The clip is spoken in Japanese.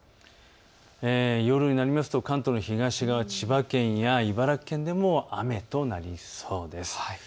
夜になりますと関東の東側千葉県や茨城県でも雨となりそうです。